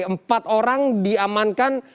empat orang diamankan